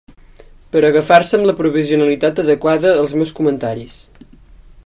Per agafar-se amb la provisionalitat adequada els meus comentaris.